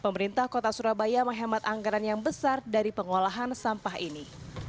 pemerintah kota surabaya menghemat anggaran yang besar dari pengolahan sampah ini